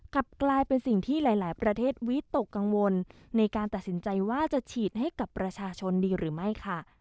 กลับกลายเป็นสิ่งที่หลายประเทศวิตกกังวลในการตัดสินใจว่าจะฉีดให้กับประชาชนดีหรือไม่ค่ะ